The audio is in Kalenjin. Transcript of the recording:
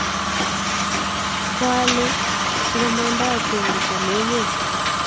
kwalee ngamanda achunguzan emet